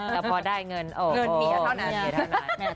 แต่พอได้เงินเงินเมียเท่านั้น